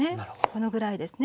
このぐらいですね。